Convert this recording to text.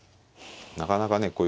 なかなかね